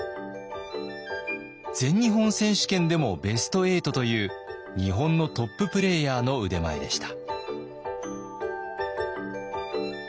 全日本選手権でもベスト８という日本のトッププレーヤーの腕前でした。